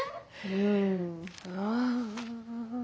うん。